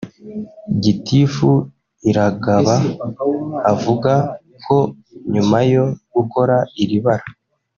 Gitifu Iragaba avuga ko nyuma yo gukora iri bara